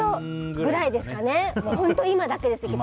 本当、今だけです。